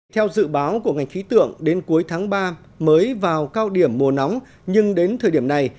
theo dự báo của ngành khí tượng đến cuối tháng ba mới vào cao điểm mùa nóng nhưng đến thời điểm này